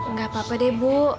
nggak apa apa deh bu